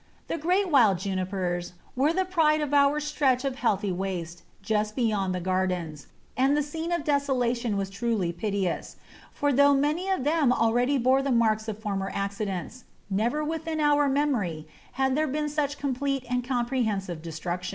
The great wild Junipers were the pride of our stretch of heathy waste just beyond the garden, and the scene of desolation was truly piteous, for though many of them already bore the marks of former accidents, never within our memory had there been such complete and comprehensive destruction.